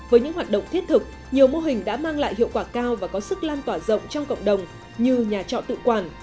với những hoạt động thiết thực nhiều mô hình đã mang lại hiệu quả cao và có sức lan tỏa rộng trong cộng đồng như nhà trọ tự quản